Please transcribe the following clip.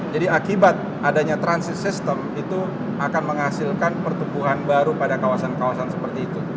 akibat adanya transit system itu akan menghasilkan pertumbuhan baru pada kawasan kawasan seperti itu